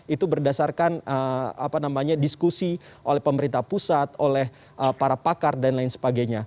itu berdasarkan diskusi oleh pemerintah pusat oleh para pakar dan lain sebagainya